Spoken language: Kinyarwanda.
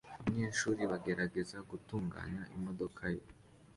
abakecuru bagerageza gutunganya imodoka ye